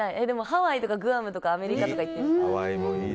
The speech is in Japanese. ハワイとかグアムとかアメリカとか行ってみたい。